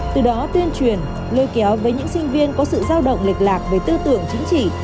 từ đó tuyên truyền lôi kéo với những sinh viên có sự giao động lịch lạc về tư tưởng chính trị